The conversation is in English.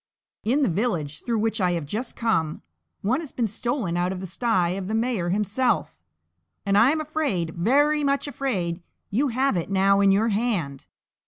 In the village through which I have just come, one has been stolen out of the sty of the mayor himself; and I am afraid, very much afraid, you have it now in your hand!